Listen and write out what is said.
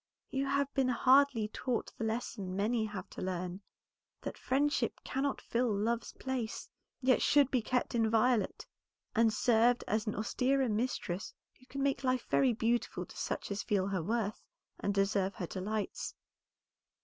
You have been hardly taught the lesson many have to learn, that friendship cannot fill love's place, yet should be kept inviolate, and served as an austerer mistress who can make life very beautiful to such as feel her worth and deserve her delights.